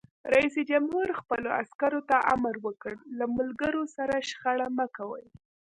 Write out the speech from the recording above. رئیس جمهور خپلو عسکرو ته امر وکړ؛ له ملګرو سره شخړه مه کوئ!